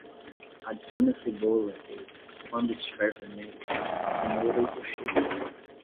Adicione a cebola e, quando estiver vermelha, cenoura e cochilo.